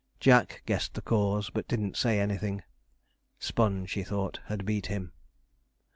Jack guessed the cause, but didn't say anything. Sponge, he thought, had beat him.